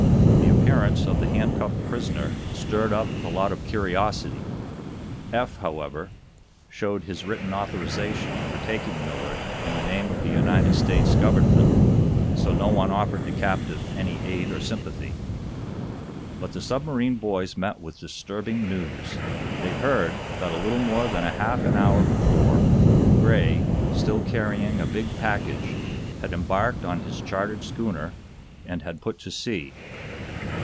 The appearance of the handcuffed prisoner stirred up a lot of curiosity. Eph, however, showed his written authorization for taking Millard in the name of the United States government, so no one offered the captive any aid or sympathy. But the submarine boys met with disturbing news. They heard that a little more than a half an hour before, Gray, still carrying a big package, had embarked on his chartered schooner, and had put to sea.